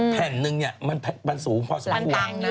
แผ่นนึงมันสูงพอสมความกลัว